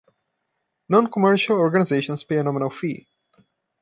Non-commercial organisations pay a nominal fee.